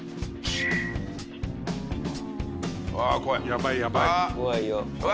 やばいやばい。